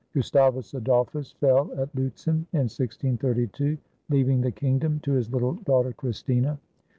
Gustavus Adolphus fell at Lützen in 1632, leaving the kingdom to his little daughter Christina.